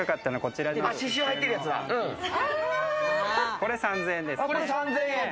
これが３０００円ですね。